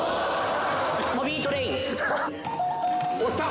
押した。